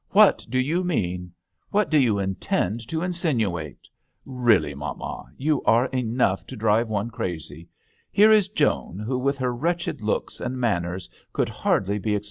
What do you mean ? What do you intend to insinuate ? Really, mamma, you are enough to drive one crazy. Here is Joan, who, with her wretched looks and manners, could hardly be ex $S THE h6T£L D'ANGLETERRS.